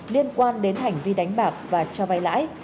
liên quan đến hành vi đánh bạc và trao vai lãi